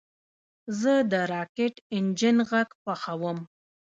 زه د راکټ انجن غږ خوښوم.